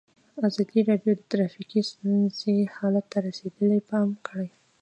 ازادي راډیو د ټرافیکي ستونزې حالت ته رسېدلي پام کړی.